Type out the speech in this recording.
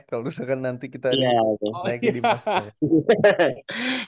kalau misalkan nanti kita naikin di pasca ya